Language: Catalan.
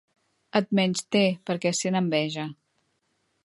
Et menysté perquè sent enveja.